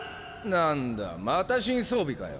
なんだまた新装備かよ。